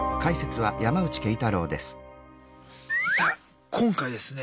さあ今回ですね